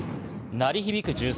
鳴り響く銃声。